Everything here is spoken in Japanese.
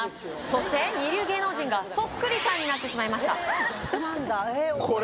そして二流芸能人がそっくりさんになってしまいましたええー